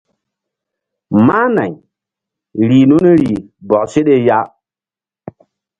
Mah nay rih nun rih bɔk seɗe ya.